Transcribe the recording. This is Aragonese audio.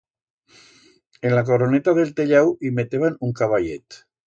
En la coroneta d'el tellau i meteban un caballet.